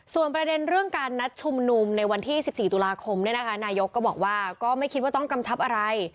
ส่วนประเด็นเรื่องการนัดชุมนุมในวันที่๑๔ตุลาคมนายกก็บอกว่าก็ไม่คิดว่าต้องกำชับอะไร